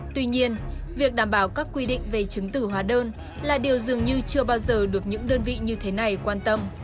tuy nhiên việc đảm bảo các quy định về chứng tử hóa đơn là điều dường như chưa bao giờ được những đơn vị như thế này quan tâm